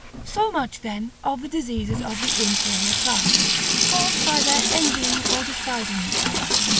§ LI. So much, then, of the diseases of the inferior classes, caused by their envying or despising each other.